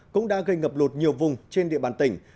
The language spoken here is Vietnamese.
cũng đã gây ngập lụt nhiều vùng trên địa bàn tỉnh